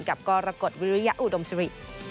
กับกรรกฎวิริยอุดมศรี